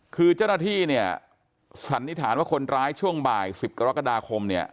คือเจ้าหน้าที่เนี่ยสันนิษฐานว่าคนร้ายช่วงบ่าย๑๐กรกฎาคมเนี่ย